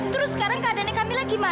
terus sekarang keadaannya kamila gimana